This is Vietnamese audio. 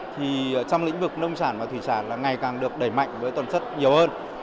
thì trong lĩnh vực nông sản và thủy sản là ngày càng được đẩy mạnh với tuần chất nhiều hơn